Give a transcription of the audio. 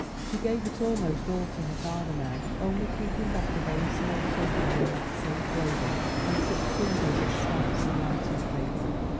She gave it almost all to her father now, only keeping back a very small sum for her necessary clothing and such sundries as stamps and writing paper.